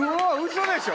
嘘でしょ？